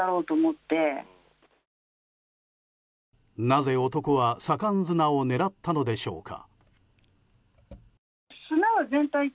なぜ男は左官砂を狙ったのでしょうか。